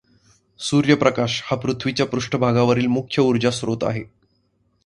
सूर्यप्रकाश हा पृथ्वीच्या पृष्ठभागावरील मुख्य उर्जास्रोत आहे.